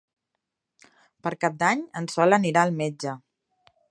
Per Cap d'Any en Sol anirà al metge.